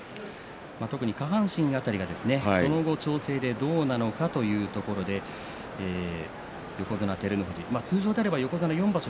特に下半身がその後の調整でどうなのかというところで横綱照ノ富士、通常であれば横綱の４場所